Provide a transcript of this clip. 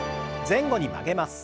前後に曲げます。